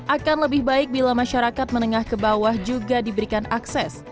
akan lebih baik bila masyarakat menengah ke bawah juga diberikan akses